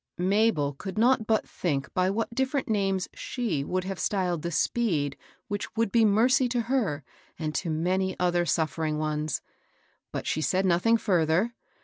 Mabel could not but think by what different names she would have styled the speed which would be mercy to her and to many another suf fering one; but she said nothing further.